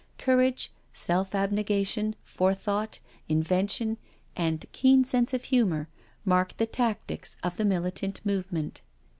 Courage, self abnegation, forethought, invention, and keen sense of humour, marked the tactics of the militant movement.